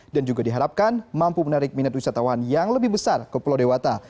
dan juga diharapkan mampu menarik minat wisatawan yang lebih besar ke pulau dewata